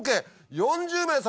４０名様！